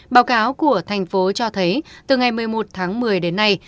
báo cáo của thành phố cho thấy từ ngày một mươi một tháng một mươi đến nay